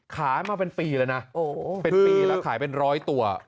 ขายมาเป็นปีแล้วนะเป็นปีแล้วขายเป็นร้อยตัว